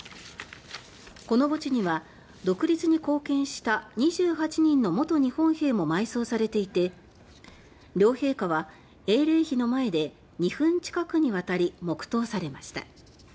この墓地には独立に貢献した２８人の元日本兵も埋葬されていて両陛下は英霊碑の前で２分近くにわたり黙とうされました。